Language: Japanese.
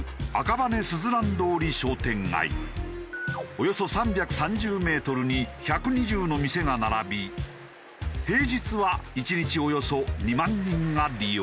およそ３３０メートルに１２０の店が並び平日は１日およそ２万人が利用。